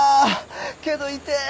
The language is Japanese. けど痛ぇ！